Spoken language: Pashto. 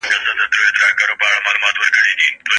خپل کالي په ترتیب کېږدئ.